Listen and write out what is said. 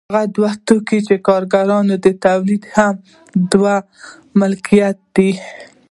هغه توکي چې کارګران یې تولیدوي هم د دوی ملکیت دی